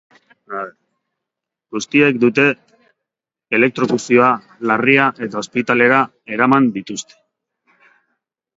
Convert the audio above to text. Guztiek dute elektrokuzio larria eta ospitalera eraman dituzte.